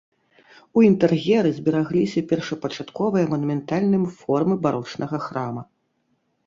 У інтэр'еры зберагліся першапачатковыя манументальным формы барочнага храма.